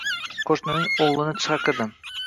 Qo`shnining o`g`lini chaqirdim